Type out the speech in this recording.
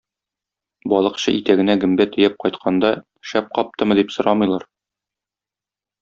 Балыкчы итәгенә гөмбә төяп кайтканда, "шәп каптымы?" дип сорамыйлар.